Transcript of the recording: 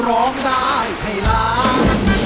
ร้องได้ให้ล้าน